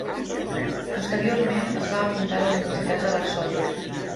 Posteriorment es va apuntar a la Universitat de Varsòvia.